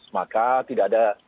maka tidak ada